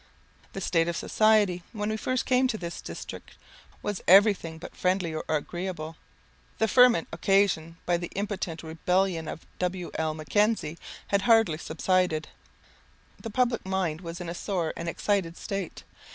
The state of society when we first came to this district, was everything but friendly or agreeable. The ferment occasioned by the impotent rebellion of W.L. Mackenzie had hardly subsided. The public mind was in a sore and excited state.